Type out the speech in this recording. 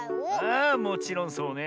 あもちろんそうね。